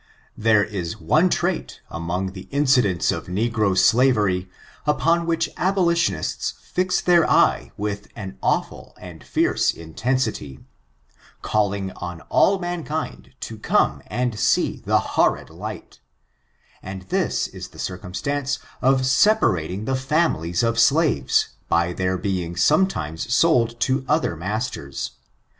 There is one trait among the incidents of negio slaver)', upon which abolitionists fix their eye with an awful and fierce intensity, calling on all mankind to come and see the horrid sight ; and this is the circumstance of separating the families of slaves, by their being sometimes sold to other masters.